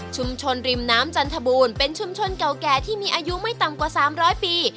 ริมน้ำจันทบูรณ์เป็นชุมชนเก่าแก่ที่มีอายุไม่ต่ำกว่า๓๐๐ปี